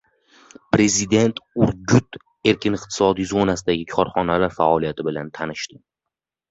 Prezident “Urgut” erkin iqtisodiy zonasidagi korxonalar faoliyati bilan tanishdi